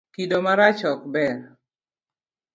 Kido marach ok ber.